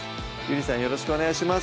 よろしくお願いします